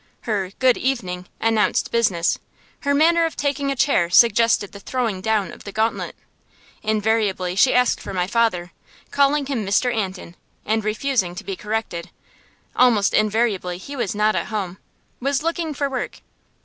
Her "Good evening" announced business; her manner of taking a chair suggested the throwing down of the gauntlet. Invariably she asked for my father, calling him Mr. Anton, and refusing to be corrected; almost invariably he was not at home was out looking for work.